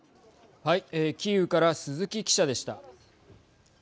キーウから鈴木記者でした。